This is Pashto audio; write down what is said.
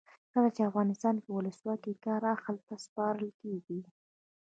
کله چې افغانستان کې ولسواکي وي کار اهل ته سپارل کیږي.